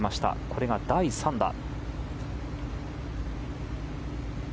これが第３打。